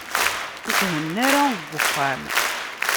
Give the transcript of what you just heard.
Ur thenna ara deg uxxam.